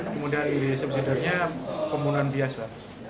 kemudian di subsidarnya pembunuhan biasa